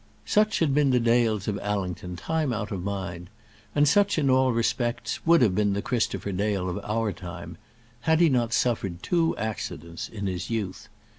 Such had been the Dales of Allington, time out of mind, and such in all respects would have been the Christopher Dale of our time, had he not suffered two accidents in his youth.